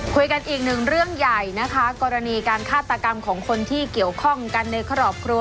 อีกหนึ่งเรื่องใหญ่นะคะกรณีการฆาตกรรมของคนที่เกี่ยวข้องกันในครอบครัว